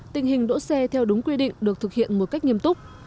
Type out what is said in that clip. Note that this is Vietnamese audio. tình hình đỗ xe theo đúng quy định được thực hiện một cách nghiêm túc